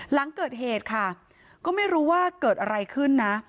หลังเกิดเหตุค่ะก็ไม่รู้ว่าเกิดอะไรขึ้นนะ